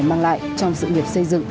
mang lại trong sự nghiệp xây dựng